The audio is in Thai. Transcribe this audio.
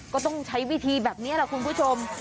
ก็ต้องใช้วิธีแบบนี้แหละคุณผู้ชม